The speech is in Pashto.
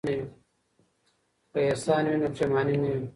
که احسان وي نو پښیماني نه وي.